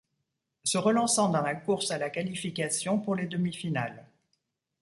Se relançant dans la course à la qualification pour les demi-finales.